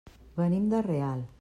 Venim de Real.